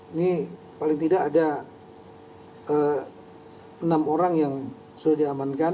ini paling tidak ada enam orang yang sudah diamankan